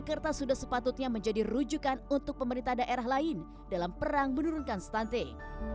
jakarta sudah sepatutnya menjadi rujukan untuk pemerintah daerah lain dalam perang menurunkan stunting